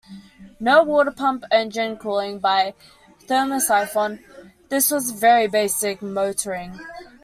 No water pump, engine cooling by thermosyphon - this was very basic motoring.